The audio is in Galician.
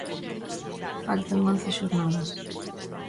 Faltan once xornadas.